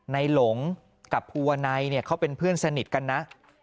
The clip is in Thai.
ในหลงกับภูวาในเขาเป็นเพื่อนสนิทกันนะ